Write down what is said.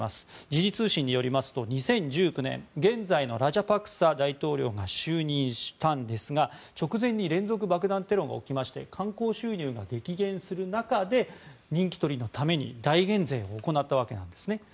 時事通信によりますと２０１９年現在のラジャパクサ大統領が就任したんですが直前に連続爆弾テロが起きまして観光収入が激減する中で人気取りのために大減税を行ったわけなんですね。